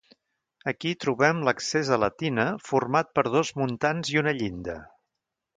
Aquí hi trobem l'accés a la tina format per dos muntants i una llinda.